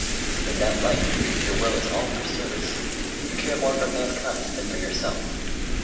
In that light your will is all for service; you care more for mankind than for yourself.